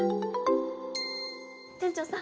店長さん